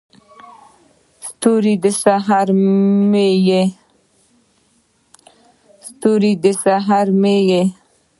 ستوری، د سحر مې یې